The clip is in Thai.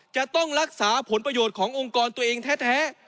จะต้องรักษาผลประโยชน์ขององค์กรตัวเองแท้